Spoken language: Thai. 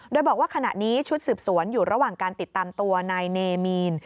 โดยบอกว่าขณะนี้ชุดสืบสวนอยู่ระหว่างการติดตามตัวนายเนมีน